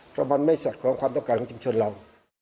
เพราะมันไม่สอดคล้องความต้องการของชุมชนเรา